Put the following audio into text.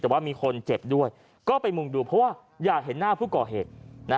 แต่ว่ามีคนเจ็บด้วยก็ไปมุงดูเพราะว่าอยากเห็นหน้าผู้ก่อเหตุ